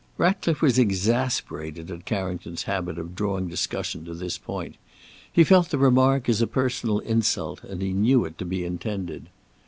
Ratcliffe was exasperated at Carrington's habit of drawing discussion to this point. He felt the remark as a personal insult, and he knew it to be intended.